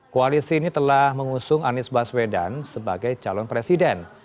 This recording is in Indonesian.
koalisi ini telah mengusung anies baswedan sebagai calon presiden